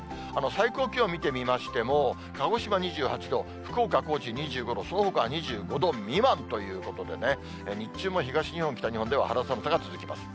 最高気温見てみましても、鹿児島２８度、福岡、高知２５度、そのほかは２５度未満ということでね、日中も東日本、北日本では肌寒さが続きます。